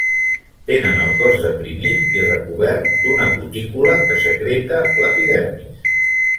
Tenen el cos deprimit i recobert d'una cutícula que secreta l'epidermis.